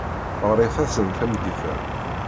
Ɣret-asen tameddit-a.